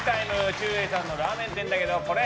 ちゅうえいさんのラーメン店だけどこれ！